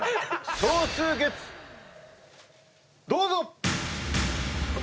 少数決どうぞ！